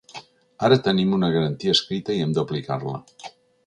Ara tenim una garantia escrita i hem d’aplicar-la.